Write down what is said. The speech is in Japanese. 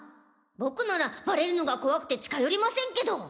僕ならバレるのが怖くて近寄りませんけど。